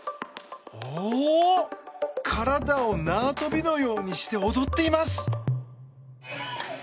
体を縄跳びのようにして踊っています！